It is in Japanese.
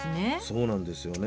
そうなんですよね。